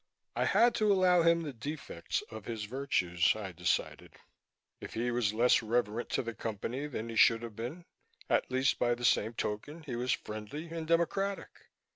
I had to allow him the defects of his virtues, I decided. If he was less reverent to the Company than he should have been, at least by the same token he was friendly and democratic.